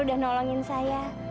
dokter udah nolongin saya